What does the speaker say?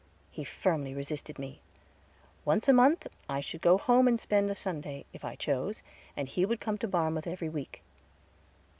He firmly resisted me. Once a month, I should go home and spend a Sunday, if I chose, and he would come to Barmouth every week.